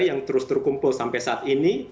yang terus terkumpul sampai saat ini